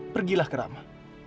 pergilah ke rama